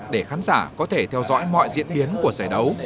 để khán giả có thể theo dõi mọi diễn biến của giải đấu